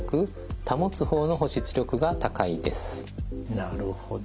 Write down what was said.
なるほど。